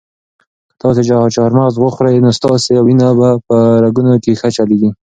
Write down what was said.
که تاسي چهارمغز وخورئ نو ستاسو وینه به په رګونو کې ښه چلیږي.